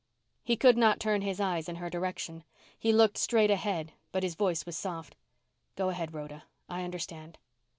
He could not turn his eyes in her direction. He looked straight ahead but his voice was soft. "Go ahead, Rhoda. I understand."